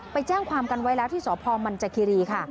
ไปแจ้งความกันไว้แล้วที่สพมันจคิรีค่ะ